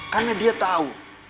karena dia tahu